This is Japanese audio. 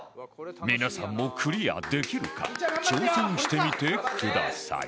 皆さんもクリアできるか挑戦してみてください